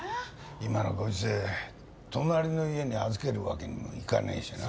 今のご時世隣の家に預けるわけにもいかねえしな・